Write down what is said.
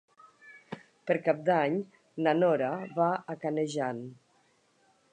Per Cap d'Any na Nora va a Canejan.